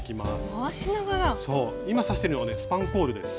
そう今刺してるのがスパンコールです。